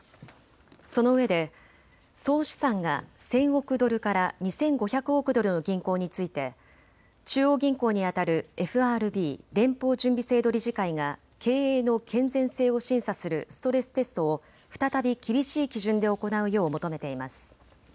そのうえで総資産が１０００億ドルから２５００億ドルの銀行について中央銀行にあたるＦＲＢ・連邦準備制度理事会が経営の健全性を審査するストレステストを再び厳しい基準で行うよう求めています。